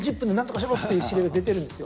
って指令が出ているんですよ。